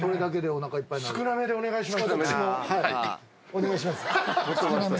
お願いします